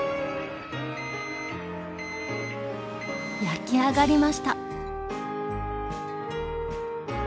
焼き上がりました。